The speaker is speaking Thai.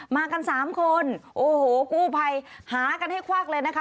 มากันสามคนโอ้โหกู้ภัยหากันให้ควักเลยนะคะ